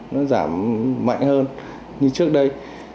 nó giảm mạnh hơn như trước đây